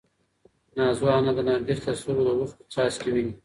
نازو انا د نرګس له سترګو د اوښکو څاڅکي ویني.